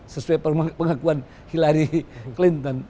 sesuai pengakuan hillary clinton